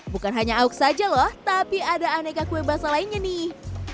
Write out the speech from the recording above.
bukan hanya awuk saja loh tapi ada aneka kue basah lainnya nih